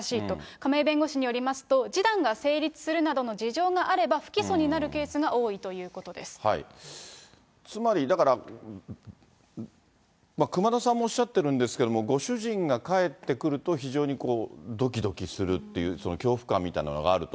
亀井弁護士によりますと、示談が成立するなどの事情があれば不起訴になるケースが多いといつまり、だから熊田さんもおっしゃってるんですけれども、ご主人が帰ってくると、非常にこう、どきどきするっていう、恐怖感みたいなのがあると。